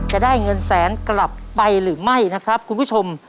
จะได้เงินแสนกลับไปหรือไม่นะครับคุณผู้ชม